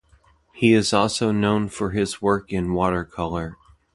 He is also known for his work in watercolor.